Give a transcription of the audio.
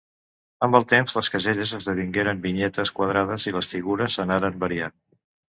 Amb el temps les caselles esdevingueren vinyetes quadrades i les figures anaren variant.